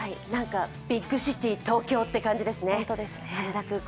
ビッグシティ東京って感じですね、羽田空港。